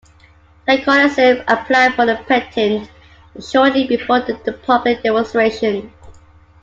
Tykonicer applied for a patent shortly before the public demonstration.